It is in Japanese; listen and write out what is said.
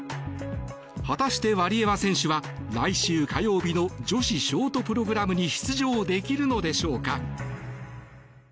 果たしてワリエワ選手は来週火曜日の女子ショートプログラムに出場できるのでしょうか。